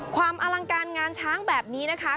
ความอลังการงานช้างแบบนี้นะคะ